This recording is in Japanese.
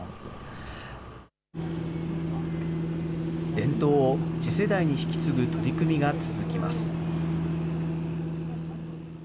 伝統を次世代に引き継ぐ取り組みが続きます。